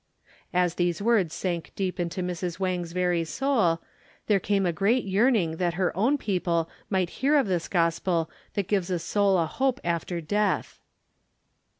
As these words sank deep into Mrs. Wang's very soul, there came a great yearning that her own people might hear of this Gospel that gives a soul a hope after death.